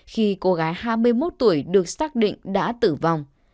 khi cô gái hai mươi một tuổi được xác định đã tử vong